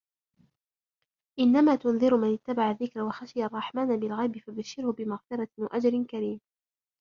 إِنَّمَا تُنْذِرُ مَنِ اتَّبَعَ الذِّكْرَ وَخَشِيَ الرَّحْمَنَ بِالْغَيْبِ فَبَشِّرْهُ بِمَغْفِرَةٍ وَأَجْرٍ كَرِيمٍ